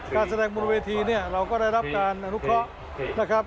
การแสดงบนเวทีเราก็ได้รับการอนุเคราะห์